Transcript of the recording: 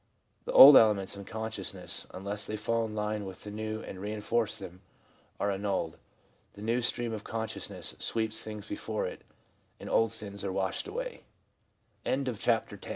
The old elements in consciousness, unless they fall in line with the new and reinforce them, are annulled. The new ' stream of consciousness ' sweeps things before it, and old sins are was